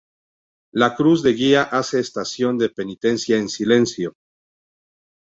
La cruz de guía hace estación de penitencia en silencio.